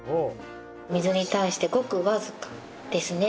水に対してごくわずかですね。